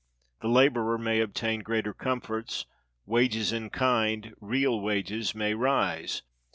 The laborer may obtain greater comforts; wages in kind—real wages—may rise.